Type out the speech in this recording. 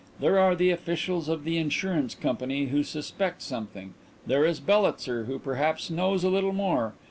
There are the officials of the insurance company who suspect something; there is Bellitzer, who perhaps knows a little more.